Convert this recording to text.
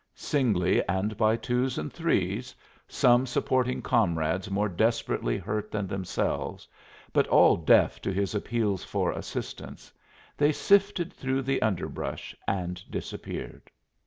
Singly and by twos and threes, some supporting comrades more desperately hurt than themselves, but all deaf to his appeals for assistance, they sifted through the underbrush and disappeared.